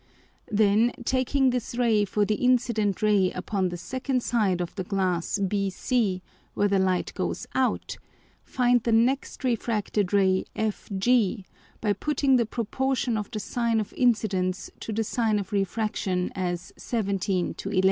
Then taking this Ray for the Incident Ray upon the second side of the Glass BC where the Light goes out, find the next refracted Ray FG by putting the Proportion of the Sine of Incidence to the Sine of Refraction as 11 to 17.